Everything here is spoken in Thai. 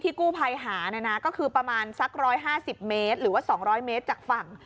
กู้ภัยหานะนะก็คือประมาณสัก๑๕๐เมตรหรือว่า๒๐๐เมตรจากฝั่ง